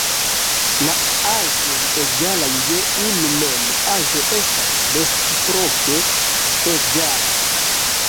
La aĵoj egalaj je unu mem aĵo estas reciproke egalaj.